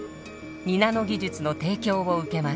２ナノ技術の提供を受けます。